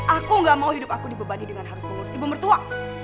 aku gak mau hidup aku dibebani dengan harus mengurus ibu mertua